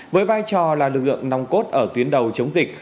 với vai trò là lực lượng nòng cốt ở tuyến đầu chống dịch